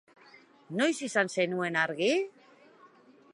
Noiz izan zenuen argi?